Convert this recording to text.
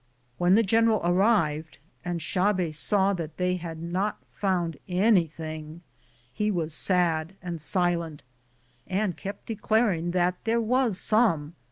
When the general arrived, and Xabe saw that they had not found anything, he was sad and silent, and kept declaring that there was some.